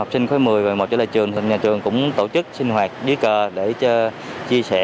học sinh khối một mươi một mươi một trở lại trường nhà trường cũng tổ chức sinh hoạt dưới cờ để chia sẻ